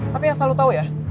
tapi asal lu tau ya